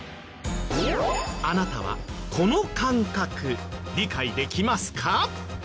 あなたはこの感覚理解できますか？